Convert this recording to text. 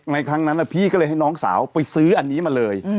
ครั้งนั้นพี่ก็เลยให้น้องสาวไปซื้ออันนี้มาเลย